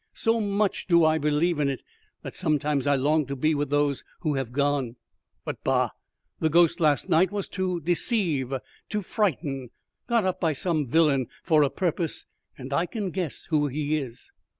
So much do I believe in it, that sometimes I long to be with those who have gone. But, bah! the ghost last night was to deceive, to frighten. Got up by some villain for a purpose, and I can guess who he is."